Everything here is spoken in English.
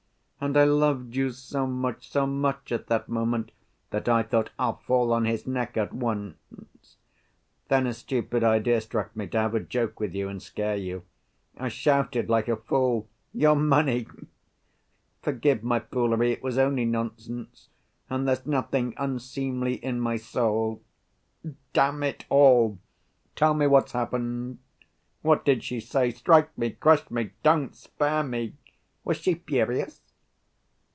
And I loved you so much, so much at that moment that I thought, 'I'll fall on his neck at once.' Then a stupid idea struck me, to have a joke with you and scare you. I shouted, like a fool, 'Your money!' Forgive my foolery—it was only nonsense, and there's nothing unseemly in my soul.... Damn it all, tell me what's happened. What did she say? Strike me, crush me, don't spare me! Was she furious?"